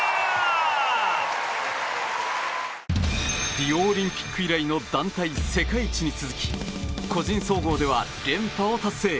リオオリンピック以来の団体世界一に続き個人総合では連覇を達成。